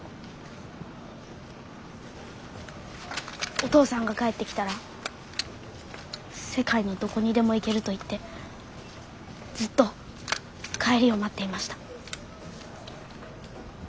お父さんが帰ってきたら世界のどこにでも行けると言ってずっと帰りを待っていました。